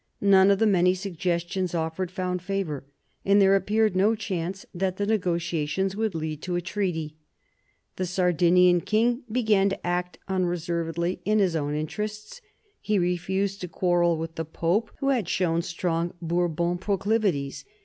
None of the many suggestions offered found favour, and there appeared no chance that the negotiations would lead to a treaty. The Sardinian king began to act unreservedly in his own interests. He refused to quarrel with the Pope, who had shown 80 MARIA THERESA chap, ii strong Bourbon proclivities.